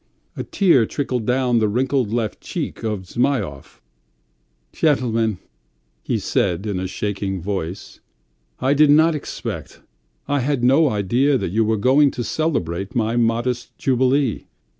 A tear trickled down the wrinkled left cheek of Zhmyhov. "Gentlemen!" he said in a shaking voice, "I did not expect, I had no idea that you were going to celebrate my modest jubilee.